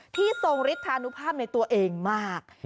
ทรงฤทธานุภาพในตัวเองมาก